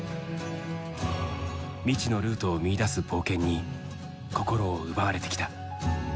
未知のルートを見いだす冒険に心を奪われてきた。